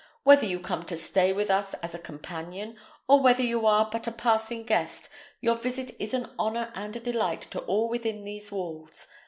Whether you come to stay with us as a companion, or whether you are but a passing guest, your visit is an honour and a delight to all within these walls.